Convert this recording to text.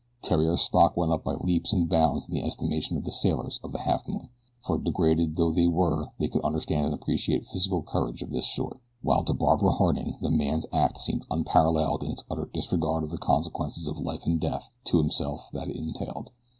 Theriere's stock went up by leaps and bounds in the estimation of the sailors of the Halfmoon, for degraded though they were they could understand and appreciate physical courage of this sort, while to Barbara Harding the man's act seemed unparalleled in its utter disregard of the consequences of life and death to himself that it entailed.